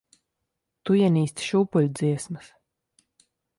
Tu ienīsti šūpuļdziesmas.